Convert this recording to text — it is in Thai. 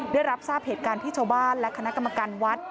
ได้รับทราบเหตุการณ์ที่ชาวบ้านและคณะกรรมการวัด